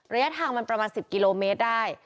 ระยะทางมันประมาณ๑๐กิโลเมตรได้